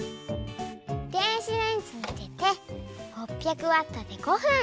でんしレンジに入れて６００ワットで５ふん。